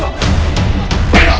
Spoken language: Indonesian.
kalian gak akan nyesel